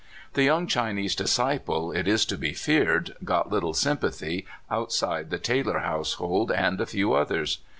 The young Chinese disciple, it is to be feared, got little sympathy outside the Taylor household and a few others.